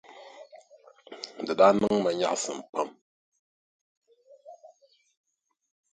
Di daa niŋ ma nyaɣisim pam.